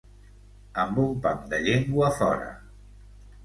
Amb un pam de llengua fora.